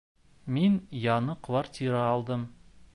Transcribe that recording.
Мин яңы квартира алдым